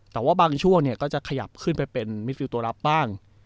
แต่ว่าบางช่วงเนี่ยก็จะขยับขึ้นไปเป็นมิดฟิลตัวรับบ้าง